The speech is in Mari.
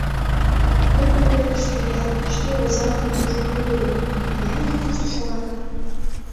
Лудмо пӧртыштӧ ял, шке озанлык кружок уло гын, мыняр еҥ тушто шога?